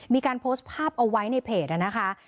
มีการโพสต์ภาพเอาไว้ในเพจนะคะ